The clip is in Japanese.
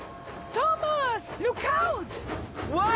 うわ！